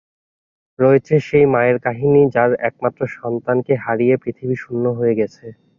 রয়েছে সেই মায়ের কাহিনি, যার একমাত্র সন্তানকে হারিয়ে পৃথিবী শূন্য হয়ে গেছে।